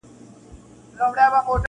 نور به یې پاڼي له نسیمه سره نه نڅیږي-